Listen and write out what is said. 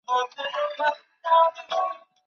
这需要花几年及大量金钱去收集合适的钻石。